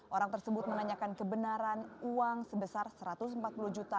orang tersebut menanyakan kebenaran uang sebesar satu ratus empat puluh juta